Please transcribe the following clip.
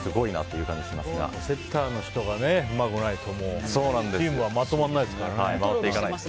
セッターの人がうまくないとチームはまとまらないですからね。